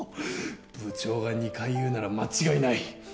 部長が２回言うなら間違いない！